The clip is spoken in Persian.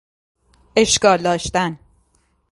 اشکال داشتن